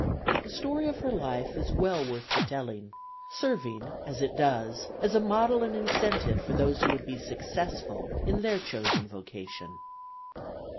The story of her life is well worth the telling, serving as it does as a model and incentive for those who would be successful in their chosen vocation.